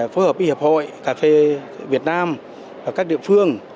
phối hợp với hiệp hội cà phê việt nam và các địa phương